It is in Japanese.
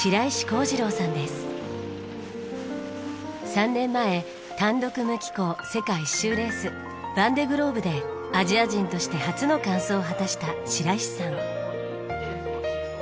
３年前単独無寄港世界一周レースヴァンデ・グローブでアジア人として初の完走を果たした白石さん。